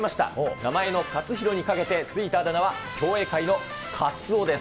名前のかつひろにかけて、付いたあだ名は競泳界のカツオです。